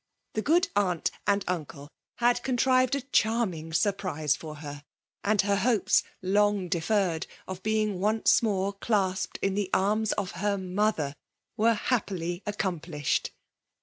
The good aunt K£MALG DOMINATION. 121 lind uncle bad contrived a charming surprise for her ; and her hopes, long deferred, of being once more clasped in the arms of her mother, were happily accomplished.